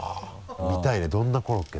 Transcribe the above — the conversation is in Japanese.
見たいねどんなコロッケ？